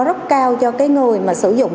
rất cao cho người sử dụng